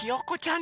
ん？